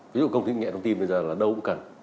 ví dụ công nghệ thông tin bây giờ là đâu cũng cần